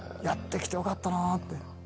やってきてよかったなって。